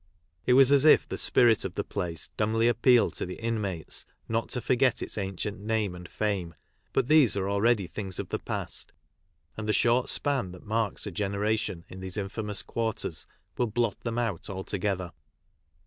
It was as if the Spirit of the place dumbly appealed to the in mates not to forget its ancient name and fame, but these are already things of the past, and the short span that marks a generation in these infamous quarters will blot them out altogether.